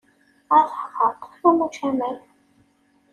A taɣaṭ, am ucamar!